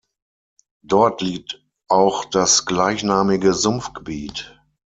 Dort liegt auch das gleichnamige Sumpfgebiet.